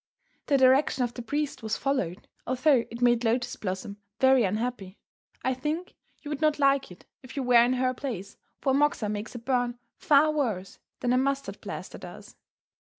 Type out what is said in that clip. The direction of the priest was followed, although it made Lotus Blossom very unhappy. I think you would not like it, if you were in her place, for a moxa makes a burn far worse than a mustard plaster does.